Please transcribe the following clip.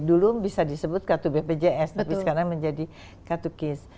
dulu bisa disebut kartu bpjs tapi sekarang menjadi kartu kis